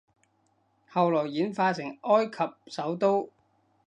後來演化成埃及首都